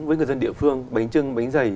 với người dân địa phương bánh chưng bánh dày